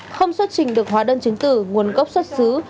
không xuất trình được hóa đơn chứng tử nguồn gốc xuất xứ